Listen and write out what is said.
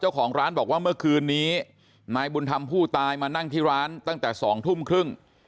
เจ้าของร้านบอกว่าเมื่อคืนนี้นายบุญธรรมผู้ตายมานั่งที่ร้านตั้งแต่๒ทุ่มครึ่ง